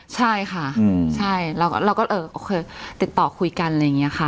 ใช่ค่ะใช่เราก็เออโอเคติดต่อคุยกันอะไรอย่างนี้ค่ะ